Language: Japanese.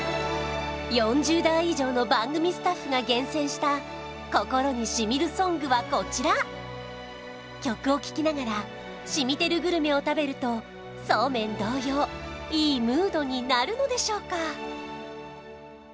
４０代以上の番組スタッフが厳選した心に染みるソングはこちら曲を聴きながら染みてるグルメを食べるとそうめん同様いいムードになるのでしょうか